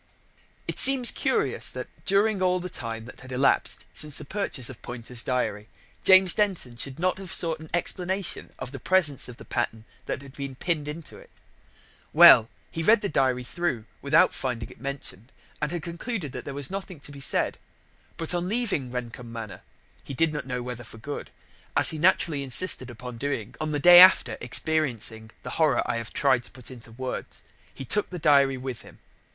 It seems curious that, during all the time that had elapsed since the purchase of Poynter's diary, James Denton should not have sought an explanation of the presence of the pattern that had been pinned into it. Well, he had read the diary through without finding it mentioned, and had concluded that there was nothing to be said. But, on leaving Rendcomb Manor (he did not know whether for good), as he naturally insisted upon doing on the day after experiencing the horror I have tried to put into words, he took the diary with him.